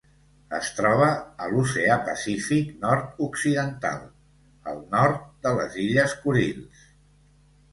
Es troba a l'Oceà Pacífic nord-occidental: el nord de les Illes Kurils.